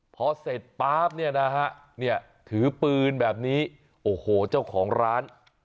พอเสร็จป๊าบเนี่ยนะฮะเนี่ยถือปืนแบบนี้โอ้โหเจ้าของร้าน